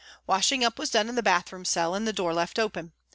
Washing up was done in the bath room cell and the door left open.